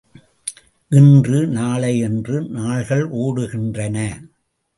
இன்று, நாளை என்று நாள்கள் ஒடுகின்றன.